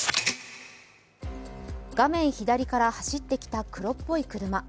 画面左から走ってきた黒っぽい車。